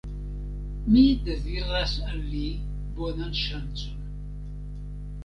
Mi deziras al li bonan ŝancon!